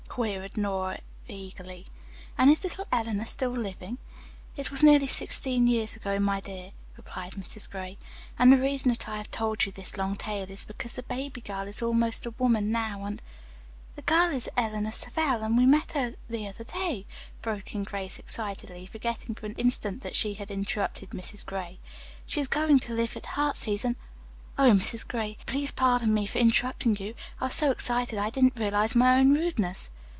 queried Nora eagerly, "and is little Eleanor living?" "It was sixteen years ago, my dear," replied Mrs. Gray, "and the reason that I have told you this long tale is because the baby girl is almost a woman now, and " "The girl is Eleanor Savell and we met her the other day," broke in Grace excitedly, forgetting for an instant that she had interrupted Mrs. Gray. "She is going to live at 'Heartsease' and oh, Mrs. Gray, please pardon me for interrupting you, I was so excited that I didn't realize my own rudeness."